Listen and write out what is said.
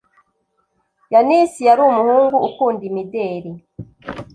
Yanis yar’umuhungu ukunda imideli